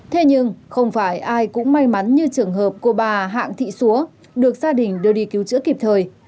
thế nhưng không phải ai cũng may mắn như trường hợp cô bà hạng thị xúa được gia đình đưa đi cứu chữa kịp thời